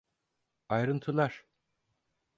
Ayrıntılar.